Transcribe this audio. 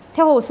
theo hồ sơ